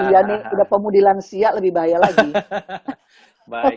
iya nih udah pemudi lansia lebih bahaya lagi